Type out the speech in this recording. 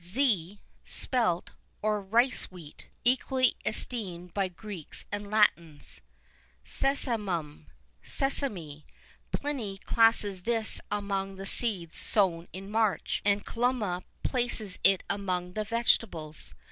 [II 18] Zea, spelt, or rice wheat,[II 19] equally esteemed by Greeks and Latins.[II 20] Sesamum, sesame. Pliny classes this among the seeds sown in March,[II 21] and Columella places it among the vegetables.